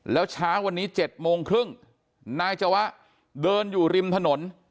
แล้วเช้าวันนี้๗โมงครึ่งนายจวะเดินอยู่ริมถนน